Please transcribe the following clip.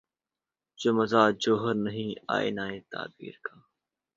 جو مزہ جوہر نہیں آئینۂ تعبیر کا